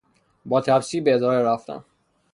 با تپسی به اداره رفتم.